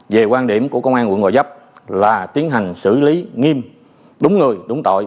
về quan điểm của công an quận gò vấp là tiến hành xử lý nghiêm đúng người đúng tội